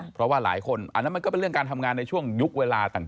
เพราะว่าหลายคนอันนั้นมันก็เป็นเรื่องการทำงานในช่วงยุคเวลาต่าง